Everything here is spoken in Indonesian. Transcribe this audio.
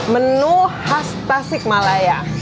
menu khas tasik malaya